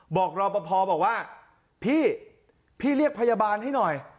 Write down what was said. บอกรอปภบอกว่าพี่พี่เรียกพยาบาลให้หน่อย